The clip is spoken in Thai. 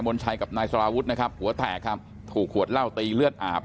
นชัยกับนายสารวุฒินะครับหัวแตกครับถูกขวดเหล้าตีเลือดอาบ